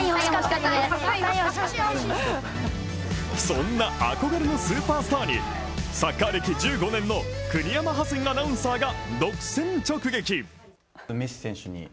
そんな憧れのスーパースターにサッカー歴１５年の国山ハセンアナウンサーが独占直撃。